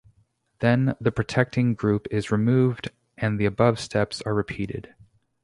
Then the protecting group is removed and the above steps are repeated.